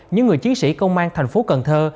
những người chiến sĩ công an thành phố cần thơ